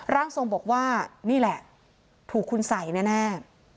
ร่างทรงบอกว่านี่แหละถูกคุณสัยแน่